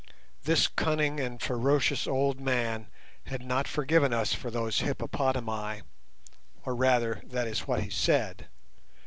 This cunning and ferocious old man had not forgiven us for those hippopotami, or rather that was what he said.